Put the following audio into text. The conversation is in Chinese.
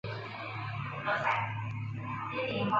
阮攸被送至山南下镇亲戚段阮俊就学。